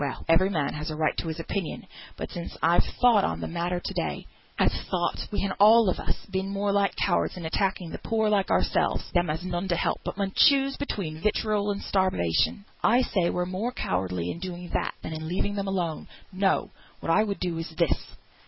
Well! every man has a right to his opinion; but since I've thought on th' matter to day, I've thought we han all on us been more like cowards in attacking the poor like ourselves; them as has none to help, but mun choose between vitriol and starvation. I say we're more cowardly in doing that than in leaving them alone. No! what I would do is this.